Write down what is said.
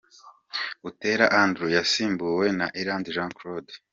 Buteera Andrew yasimbuwe na Iranzi Jean Claude.